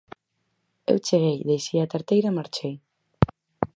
Eu cheguei, deixei a tarteira e marchei.